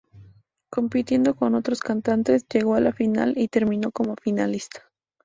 Compitiendo con otros cantantes, llegó a la final y terminó como finalista.